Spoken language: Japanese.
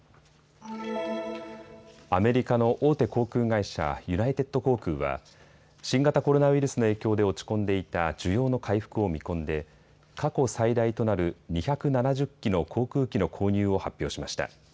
アメリカの大手航空会社、ユナイテッド航空は新型コロナウイルスの影響で落ち込んでいた需要の回復を見込んで過去最大となる２７０機の航空機の購入を発表しました。